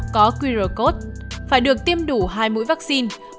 có qr code phải được tiêm đủ hai mũi vaccine